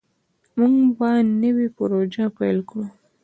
موږ به نوې پروژه پیل کړو.